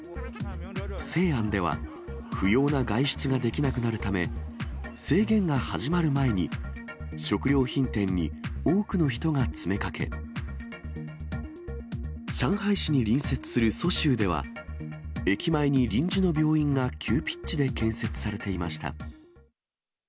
西安では、不要な外出ができなくなるため、制限が始まる前に、食料品店に多くの人が詰めかけ、上海市に隣接する蘇州では、駅前に臨時の病院が急ピッチで建設されていました。